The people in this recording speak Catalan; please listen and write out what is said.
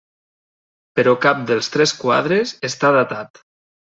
Però cap dels tres quadres està datat.